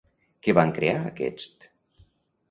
Què van crear aquests?